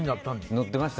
乗ってました。